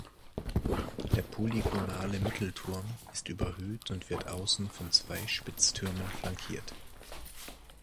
Der polygonale Mittelturm ist überhöht und wird außen von zwei Spitztürmen flankiert.